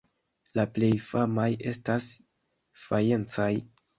La plej famaj estas fajencaj.